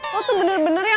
lo tuh bener bener ya